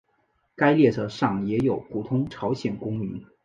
该列车上也有普通朝鲜公民。